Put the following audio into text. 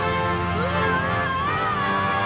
うわ！